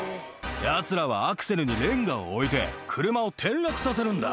やつらはアクセルにレンガを置いて、車を転落させるんだ。